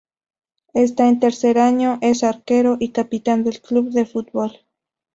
Esta en tercer año, es arquero y capitán del club de fútbol.